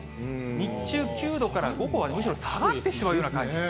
日中９度から、午後はむしろ下がってしまうような感じ。